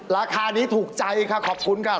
ราคานี้ถูกใจค่ะขอบคุณค่ะ